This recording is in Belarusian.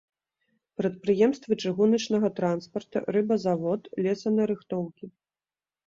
Прадпрыемствы чыгуначнага транспарта, рыбазавод, лесанарыхтоўкі.